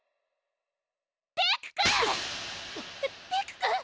デクくん！？